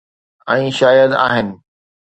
۽ شايد آهن.